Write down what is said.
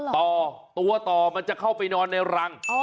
ต่อตัวต่อมันจะเข้าไปนอนในรัง